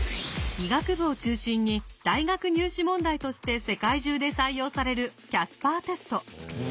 医学部を中心に大学入試問題として世界中で採用されるキャスパーテスト。